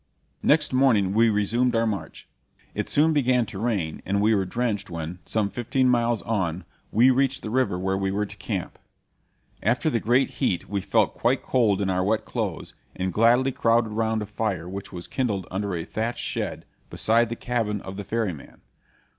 Next morning we resumed our march. It soon began to rain and we were drenched when, some fifteen miles on, we reached the river where we were to camp. After the great heat we felt quite cold in our wet clothes, and gladly crowded round a fire which was kindled under a thatched shed, beside the cabin of the ferryman.